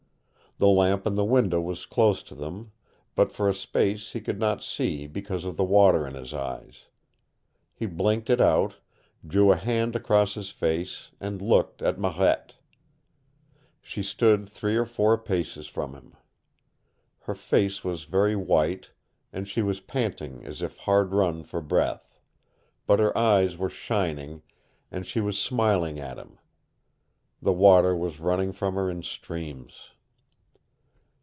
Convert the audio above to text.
The lamp in the window was close to them, but for a space he could not see because of the water in his eyes. He blinked it out, drew a hand across his face, and looked at Marette. She stood three or four paces from him. Her face was very white, and she was panting as if hard run for breath, but her eyes were shining, and she was smiling at him. The water was running from her in streams.